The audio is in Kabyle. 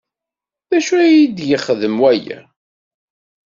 D acu aya d-yexdem waya?